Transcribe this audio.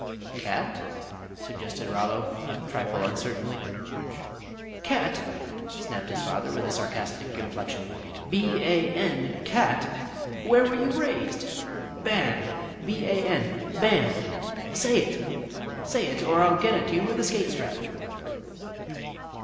"Cat?" suggested Rollo, a trifle uncertainly. "Cat?" snapped his father, with a sarcastic inflection, "b a n, cat! Where were you raised? Ban! B a n Ban! Say it! Say it, or I'll get at you with a skate strap!"